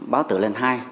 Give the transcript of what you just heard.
báo tử lần hai